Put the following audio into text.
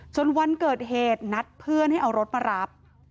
วันเกิดเหตุนัดเพื่อนให้เอารถมารับ